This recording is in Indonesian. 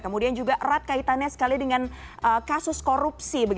kemudian juga erat kaitannya sekali dengan kasus korupsi